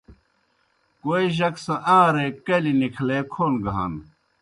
کوئی جک سہ آن٘رے کلیْ نِکھلے کھون گہ ہنہ۔